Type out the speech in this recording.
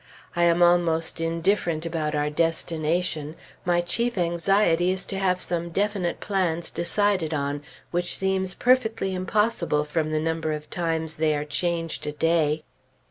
I am almost indifferent about our destination; my chief anxiety is to have some definite plans decided on, which seems perfectly impossible from the number of times they are changed a day.